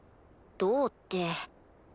どうって。